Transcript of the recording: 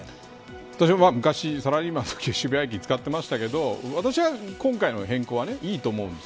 私、昔サラリーマンのときは渋谷駅使ってましたけど私は今回の変更はいいと思うんです。